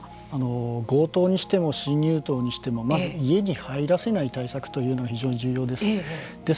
強盗にしても侵入盗にしても家に入らせない対策というのが非常に重要です。